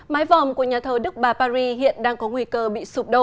mái vòm của nhà thờ đức bà paris hiện đang có nguy cơ bị sụp đổ